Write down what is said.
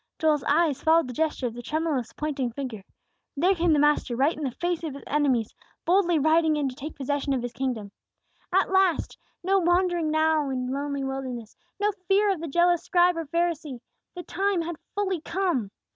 Joel's eyes followed the gesture of the tremulous, pointing finger. There came the Master, right in the face of His enemies, boldly riding in to take possession of His kingdom. At last! No wandering now in lonely wildernesses! No fear of the jealous scribe or Pharisee! The time had fully come.